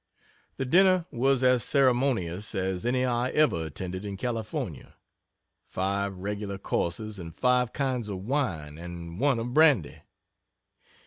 The dinner was as ceremonious as any I ever attended in California five regular courses, and five kinds of wine and one of brandy.